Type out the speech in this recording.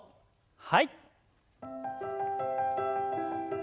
はい。